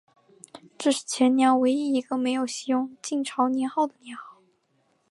这是前凉唯一一个没有袭用晋朝年号的年号。